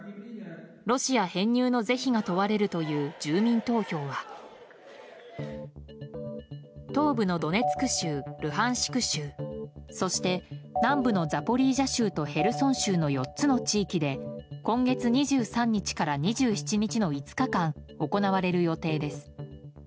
ロシア編入の是非が問われるという住民投票は東部のドネツク州、ルハンシク州そして、南部のザポリージャ州とへルソン州の４つの地域で今月２３日から２７日の５日間行われる予定です。